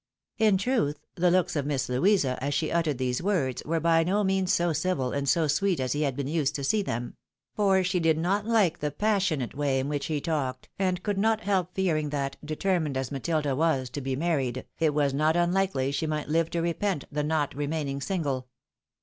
Li truth, the looks of Miss Louisa, as she uttered these words, were by no means so civil and so sweet as he had been used to see them ; for she did not hke the passionate way in which he talked, and could not help fearing that, determined as Matilda was to be married, it was not un likely she might live to repent the not remaining single.